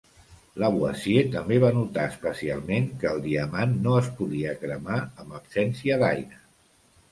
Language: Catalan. Lavoisier també va notar especialment que el diamant no es podia cremar amb absència d'aire.